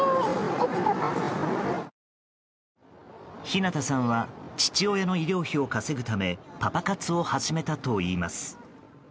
ひなたさんは父親の医療費を稼ぐためパパ活を始めたといいます。